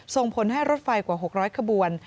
ส่งผลให้รถไฟกว่า๖๐๐ขบวน